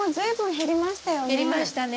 減りましたね。